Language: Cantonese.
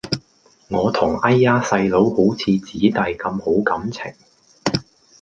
我同哎呀細佬好似姊弟咁好感情